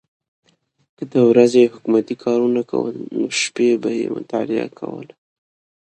که د ورځې یې حکومتي کارونه کول نو شپه به مطالعه کوله.